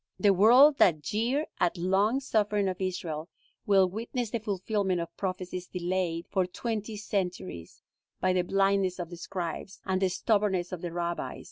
The world that jeered at the long suffering of Israel, will witness the fulfillment of prophecies delayed for twenty centuries by the blindness of the scribes, and the stubbornness of the rabbis.